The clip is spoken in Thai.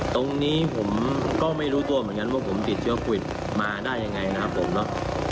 ตรงนี้ผมก็ไม่รู้ตัวเหมือนกันว่าผมติดเชื้อโควิดมาได้ยังไงนะครับผมเนาะ